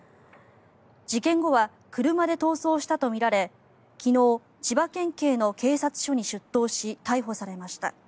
事件後は車で逃走したとみられ昨日、千葉県警の警察署に出頭し逮捕されました。